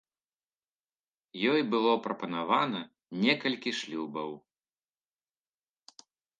Ёй было прапанавана некалькі шлюбаў.